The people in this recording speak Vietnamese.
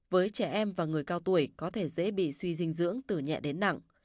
với trẻ em và người cao tuổi có thể dễ bị suy dinh dưỡng từ nhẹ đến nặng